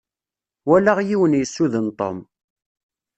Walaɣ yiwen yessuden Tom.